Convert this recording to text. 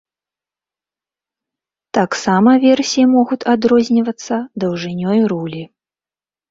Таксама версіі могуць адрознівацца даўжынёй рулі.